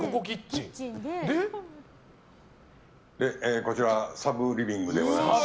こちら、サブリビングでございます。